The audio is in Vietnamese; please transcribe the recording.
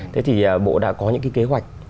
thế thì bộ đã có những kế hoạch